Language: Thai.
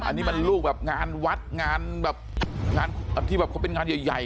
อันนี้มันลูกงานวัดงานแบบที่พวกเขาเป็นงานใหญ่